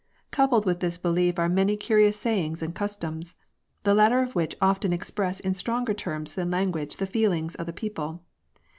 Coupled with this belief are many curious sayings and customs, the latter of which often express in stronger terms than language the feelings of the people.